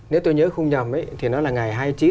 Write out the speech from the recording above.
nếu tôi nhớ không nhầm thì nó là ngày hai mươi chín